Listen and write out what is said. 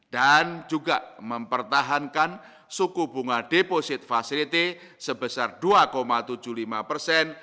dan juga mempertahankan suku bunga deposit fasilite sebesar dua tujuh puluh lima persen